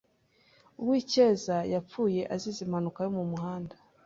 Uwicyeza yapfuye azize impanuka yo mu muhanda.